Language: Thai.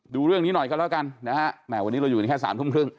ดูเรื่องนี้หน่อยกันแล้วกันนะฮะแหมวันนี้เราอยู่กันแค่สามทุ่มครึ่ง